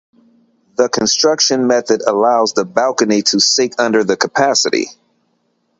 This construction method allows the balcony to sink under full capacity.